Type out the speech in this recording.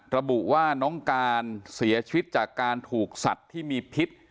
ระบุว่าน้องการเสียชีวิตจากการถูกสัตว์ที่มีพิษ